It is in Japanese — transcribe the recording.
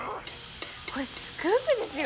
これスクープですよ！